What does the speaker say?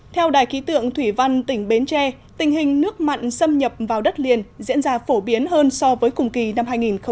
theo đài ký tượng thủy văn tỉnh bến tre tình hình nước mặn xâm nhập vào đất liền diễn ra phổ biến hơn so với cùng kỳ năm hai nghìn một mươi chín